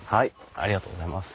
ありがとうございます。